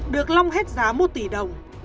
được long hết giá một tỷ đồng